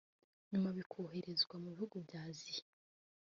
nyuma bikoherezwa mu bihugu bya Aziya